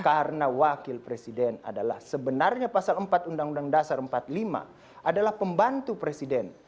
karena wakil presiden adalah sebenarnya pasal empat undang undang dasar empat puluh lima adalah pembantu presiden